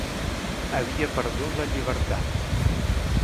Havia perdut la llibertat.